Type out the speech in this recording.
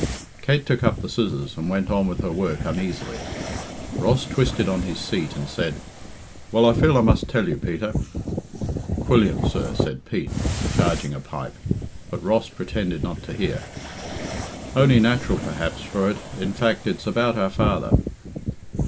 Kate took up the scissors and went on with her work uneasily. Ross twisted on his seat and said, "Well, I feel I must tell you, Peter." "Quilliam, sir," said Pete, charging a pipe; but Ross pretended not to hear. "Only natural, perhaps, for it in fact, it's about our father."